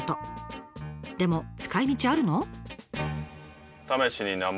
でも使いみちあるの？